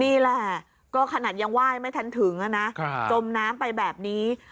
นี่ล่ะก็ขนัดยังไหวไม่รอบน้ำไปแบบนี้